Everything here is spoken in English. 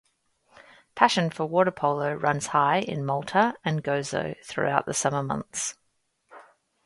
Passion for waterpolo runs high in Malta and Gozo throughout the summer months.